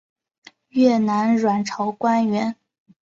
越南阮朝官员。